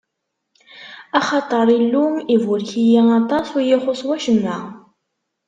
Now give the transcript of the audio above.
Axaṭer Illu iburek-iyi aṭas, ur yi-ixuṣṣ wacemma.